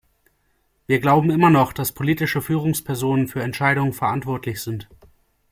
Wir glauben immer noch, dass politische Führungspersonen für Entscheidungen verantwortlich sind.